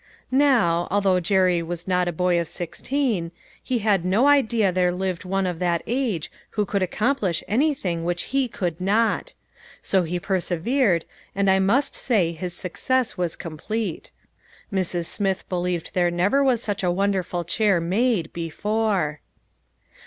Now, although Jerry was not a boy of sixteen, he had no idea there lived one of that age who could accomplish anything which he could not ; so he persevered, and I must say his success was complete. Mrs. Smith believed there never was such a wonderful chair made, before.